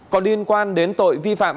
còn liên quan đến tội vi phạm